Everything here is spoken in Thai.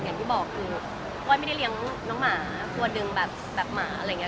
อย่างที่บอกคือก้อยไม่ได้เลี้ยงน้องหมากลัวดึงแบบหมาอะไรอย่างนี้